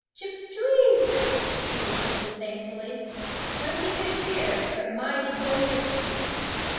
Chip, ctiweee! she whistled disdainfully; "plenty fish here, but mighty poor fishing."